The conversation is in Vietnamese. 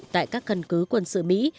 tại các căn cứ quân sự mỹ